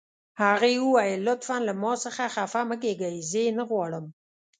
هغې وویل: لطفاً له ما څخه خفه مه کیږئ، زه یې نه غواړم.